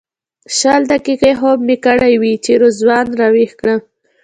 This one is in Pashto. شل دقیقې خوب به مې کړی وي چې رضوان راویښ کړم.